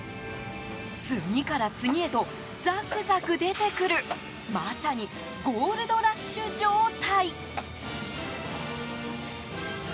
次から次へとザクザク出てくるまさにゴールドラッシュ状態。